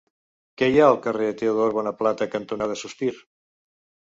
Què hi ha al carrer Teodor Bonaplata cantonada Sospir?